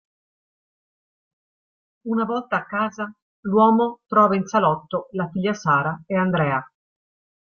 Una volta a casa, l'uomo trova in salotto la figlia Sara e Andrea.